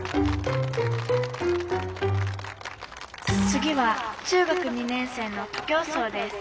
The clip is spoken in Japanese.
「次は中学２年生の徒競走です」。